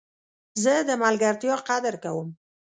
زه د ملګرتیا قدر کوم.